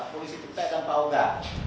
polisi tkp dan pauga